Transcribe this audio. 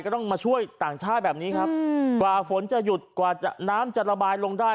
ต้องมาช่วยต่างชาติแบบนี้ครับกว่าฝนจะหยุดกว่าน้ำจะระบายลงได้